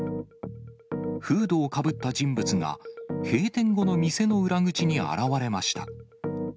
フードをかぶった人物が閉店後の店の裏口に現れました。